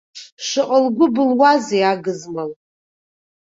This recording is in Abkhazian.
Шаҟа лгәы былуазеи агызмал.